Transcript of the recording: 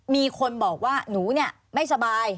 มีคนบอกว่าหนูเนี่ยไม่สบาย